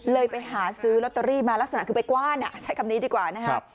เลยไปหาซื้อล็อตเตอรี่มาแล้วสนับคือไปกว้านอ่ะใช้คำนี้ดีกว่านะครับ